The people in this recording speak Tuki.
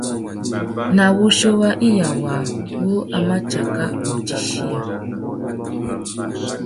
Na wuchiô wa iya waā wu a mà tsaka utifiya.